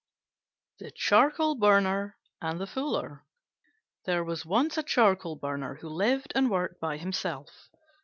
THE CHARCOAL BURNER AND THE FULLER There was once a Charcoal burner who lived and worked by himself.